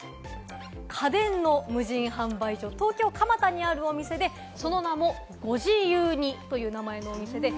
家電の無人販売所、東京・蒲田にあるお店で、その名もＧＯ１２という名前のお店です。